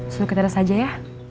suruh kita res aja ya